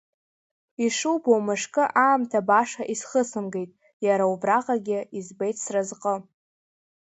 Ишубо, мышкы аамҭа баша исхысымгеит, иара убраҟагьы избеит сразҟы.